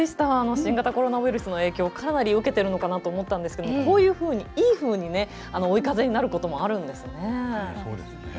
新型コロナウイルスの影響をかなり受けているのかなと思ったんですがいいふうに追い風になることもあるんですね。